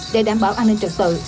để đảm bảo an ninh trật tự